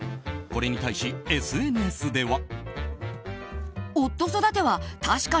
これに対しＳＮＳでは。